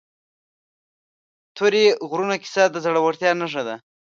د تورې غرونو کیسه د زړورتیا نښه ده.